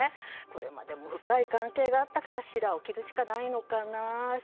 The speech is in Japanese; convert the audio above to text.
これまでも深い関係があったからしらを切るしかないのかなと。